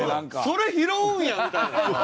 それ拾うんやみたいな。